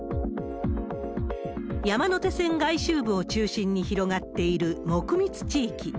山手線外周部を中心に広がっている木密地域。